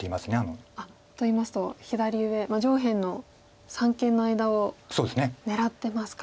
といいますと左上上辺の三間の間を狙ってますか。